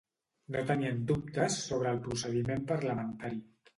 No tenien dubtes sobre el procediment parlamentari.